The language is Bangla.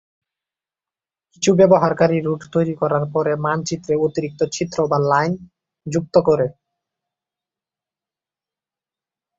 কিছু ব্যবহারকারী রুট তৈরি করার পরে মানচিত্রে অতিরিক্ত চিত্র বা লাইন যুক্ত করে।